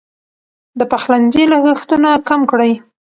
د پخلنځي لګښتونه کم کړئ.